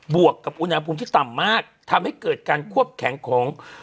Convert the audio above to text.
วกกับอุณหภูมิที่ต่ำมากทำให้เกิดการควบแข็งของ